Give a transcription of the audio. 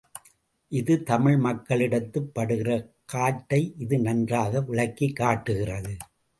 இது தமிழ் மக்களிடத்துப் படுகிற காட்டை இது நன்றாக விளக்கிக் காட்டுகிறது.